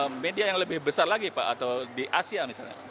atau media yang lebih besar lagi pak atau di asia misalnya